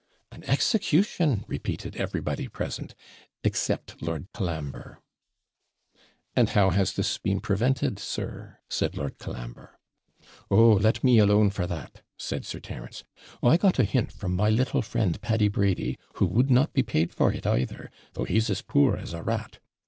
'An execution!' repeated everybody present, except Lord Colambre. 'And how has this been prevented, sir?' said Lord Colambre. 'Oh! let me alone for that,' said Sir Terence. 'I got a hint from my little friend, Paddy Brady, who would not be paid for it either, though he's as poor as a rat.